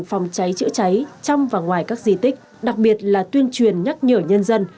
phòng cháy chữa cháy trong và ngoài các di tích đặc biệt là tuyên truyền nhắc nhở nhân dân